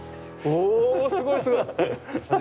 おすごいすごい。